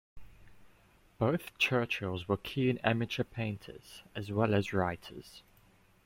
Both Churchills were keen amateur painters, as well as writers.